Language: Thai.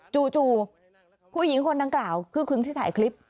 จู่ผู้หญิงคนดังกล่าวคือคนที่ถ่ายคลิป